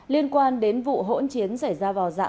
liên quan đến vụ hỗn chiến xảy ra vào giây phút